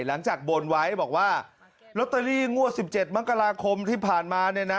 หลังจากบนไว้บอกว่าลอตเตอรี่งวดสิบเจ็ดมังกราคมที่ผ่านมาเนี่ยนะ